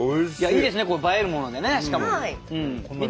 いいですね映えるものでねしかも。